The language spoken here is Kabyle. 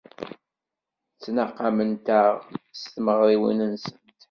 Ttnaqament-aɣ s tmeɣriwin-nsent.